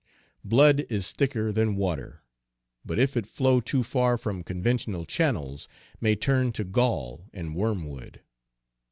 Blood is thicker than water, but, if it flow too far from conventional channels, may turn to gall and wormwood.